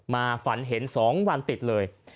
มาฝันเห็นสองวันติดเลย